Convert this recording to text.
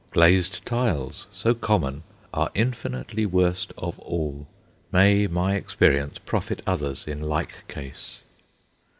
Glazed tiles, so common, are infinitely worst of all. May my experience profit others in like case!